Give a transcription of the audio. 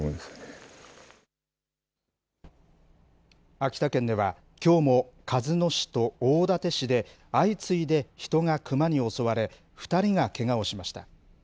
秋田県では、きょうも鹿角市と大館市で相次いで人がクマに襲われ、２人がけがをしました。